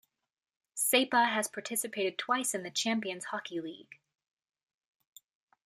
Saipa has participated twice in the Champions Hockey League.